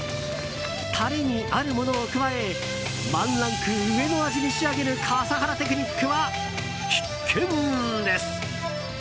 タレにあるものを加えワンランク上の味に仕上げる笠原テクニックは必見です。